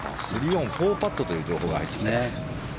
３オン、４パットという情報が入っています。